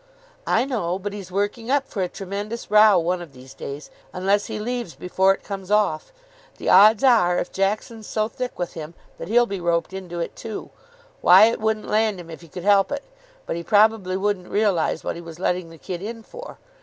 "I know. But he's working up for a tremendous row one of these days, unless he leaves before it comes off. The odds are, if Jackson's so thick with him, that he'll be roped into it too. Wyatt wouldn't land him if he could help it, but he probably wouldn't realise what he was letting the kid in for.